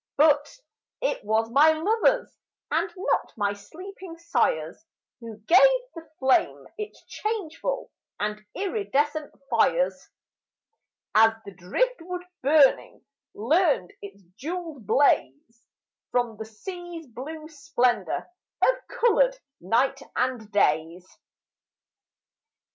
But it was my lovers, And not my sleeping sires, Who gave the flame its changeful And iridescent fires; As the driftwood burning Learned its jewelled blaze From the sea's blue splendor Of colored nights and days.